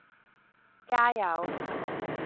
加油